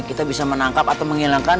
kita bisa menangkap atau menghilangkan